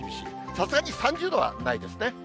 さすがに３０度はないですね。